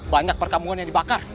banyak perkamungan yang dibakar